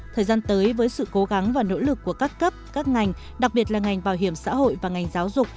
thời gian tới với sự cố gắng và nỗ lực của các cấp các ngành đặc biệt là ngành bảo hiểm xã hội và ngành giáo dục